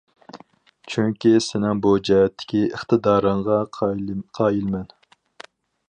چۈنكى سېنىڭ بۇ جەھەتتىكى ئىقتىدارىڭغا قايىلمەن.